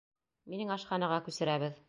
Минең ашханаға күсерәбеҙ.